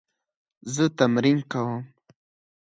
زه تمرین کوم